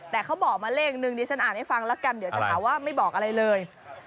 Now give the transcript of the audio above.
แต่เขาบอกมาเลขนึงดิฉันอ่านให้ฟังแล้วกันเดี๋ยวจะหาว่าไม่บอกอะไรเลย